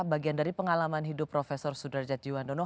bagian dari pengalaman hidup profesor sudarjat juwandono